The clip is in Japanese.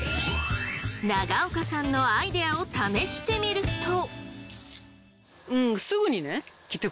永岡さんのアイデアを試してみると。